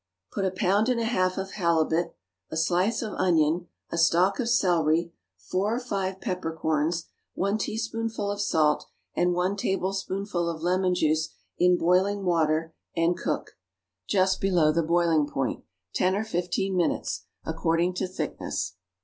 = Put a pound and a half of halibut, a slice of onion, a stalk of celery, four or five peppercorns, one teaspoonful of salt and one tablespoonful of lemon juice in boiling water, and cook, just below the boiling point, ten or fifteen minutes, according to thickness.